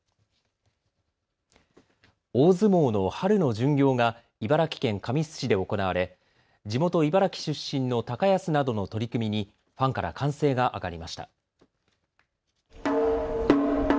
大相撲の春の巡業が茨城県神栖市で行われ、地元、茨城出身の高安などの取組にファンから歓声が上がりました。